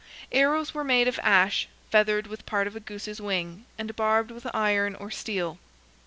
Arrows were made of ash, feathered with part of a goose's wing, and barbed with iron or steel.